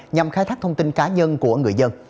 nhằm khai thác thông tin cá nhân của người dân